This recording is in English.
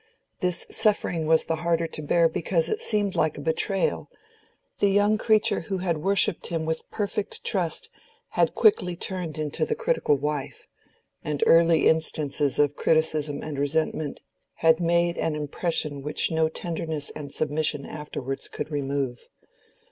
This suffering was the harder to bear because it seemed like a betrayal: the young creature who had worshipped him with perfect trust had quickly turned into the critical wife; and early instances of criticism and resentment had made an impression which no tenderness and submission afterwards could remove.